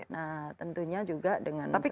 nah tentunya juga dengan saat ini